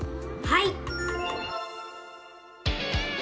はい！